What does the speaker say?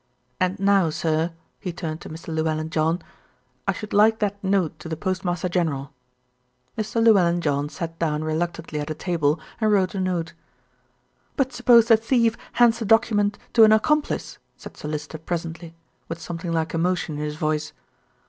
"And now, sir" he turned to Mr. Llewellyn John "I should like that note to the Postmaster general." Mr. Llewellyn John sat down reluctantly at a table and wrote a note. "But suppose the thief hands the document to an accomplice?" said Sir Lyster presently, with something like emotion in his voice.